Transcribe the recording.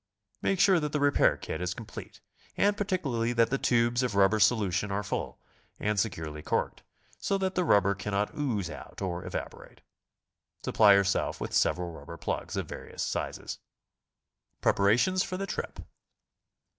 Make sure that the repair kit is complete, and particu larly that the tubes of rubber solution are full and securely corked, so that the rubber cannot ooze out or evaporate. Supply yourself with several rubber plugs of various sizes. rUEPARATTONS FOR THE TRIP.